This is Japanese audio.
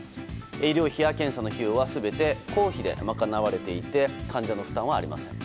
医療費や検査の費用は全て公費で賄われていて患者の負担はありません。